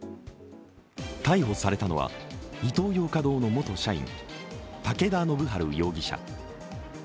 逮捕されたのはイトーヨーカ堂の元社員、武田信晴容疑者。